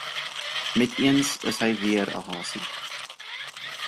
Meteens is hy weer ’n Hasie.